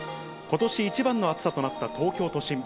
ことし一番の暑さとなった東京都心。